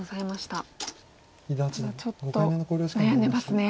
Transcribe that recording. ただちょっと悩んでますね。